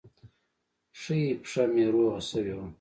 ښۍ پښه مې روغه سوې وه.